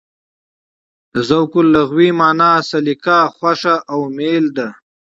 د ذوق لغوي مانا: سلیقه، خوښه او مېل ده.